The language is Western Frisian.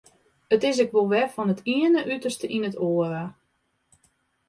It is ek wol wer fan it iene uterste yn it oare.